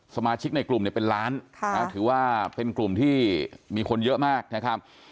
สมาชิกในกลุ่มเป็นล้านถือว่าเป็นกลุ่มที่มีคนเยอะมากนะครับ